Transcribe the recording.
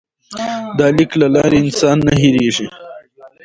د لیک له لارې انسان نه هېرېږي.